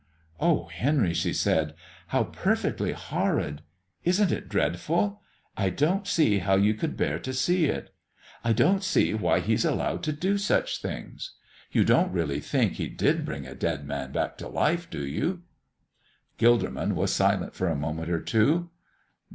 "Oh, Henry," she said, "how perfectly horrid! Isn't it dreadful! I don't see how you could bear to see it. I don't see why He's allowed to do such things. You don't really think He did bring a dead man back to life, do you?" Gilderman was silent for a moment or two.